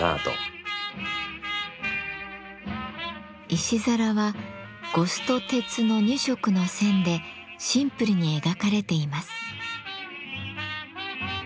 石皿は呉須と鉄の２色の線でシンプルに描かれています。